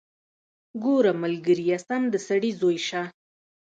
ګوره ملګريه سم د سړي زوى شه.